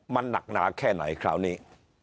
มันหนักหนาแค่ไหนคราวนี้